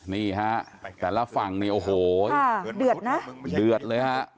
นี่ฮะแต่ละฝั่งนี่โอ้โหเดือดนะเดือดเลยฮะ